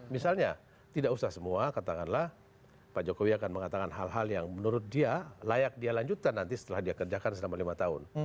misalnya tidak usah semua katakanlah pak jokowi akan mengatakan hal hal yang menurut dia layak dia lanjutkan nanti setelah dia kerjakan selama lima tahun